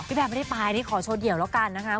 แบร์ไม่ได้ไปนี่ขอโชว์เดี่ยวแล้วกันนะคะ